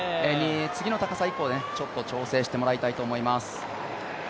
次の高さ以降でちょっと調整してもらいたいと思います。